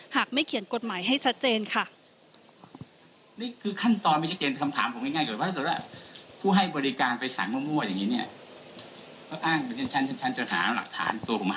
หากไม่เขียนกฎหมายให้ชัดเจนค่ะ